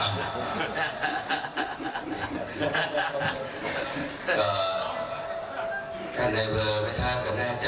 ถ้าในเบอร์ไม่ทราบก็น่าจะ